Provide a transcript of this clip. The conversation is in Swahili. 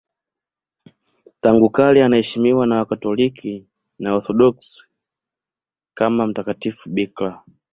Tangu kale anaheshimiwa na Wakatoliki na Waorthodoksi kama mtakatifu bikira.